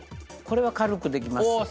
これは軽くできます。